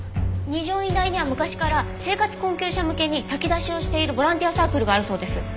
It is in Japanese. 二条院大には昔から生活困窮者向けに炊き出しをしているボランティアサークルがあるそうです。